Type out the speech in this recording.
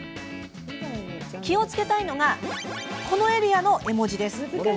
気をつけたいのがこのエリアの絵文字です。